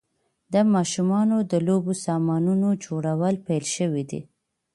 د ماشومانو د لوبو سامانونو جوړول پیل شوي دي.